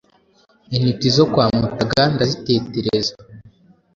Intiti zo kwa Mutaga ndazitetereza.